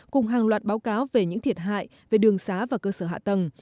cùng hàng loạt báo cáo về những thiệt hại về đường xá và cơ sở hạ tầng